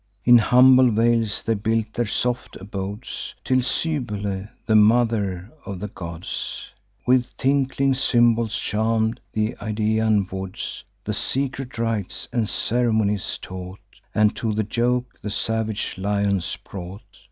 In humble vales they built their soft abodes, Till Cybele, the mother of the gods, With tinkling cymbals charm'd th' Idaean woods, She secret rites and ceremonies taught, And to the yoke the savage lions brought.